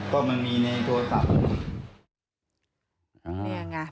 ก็มันมีในโทรศัพท์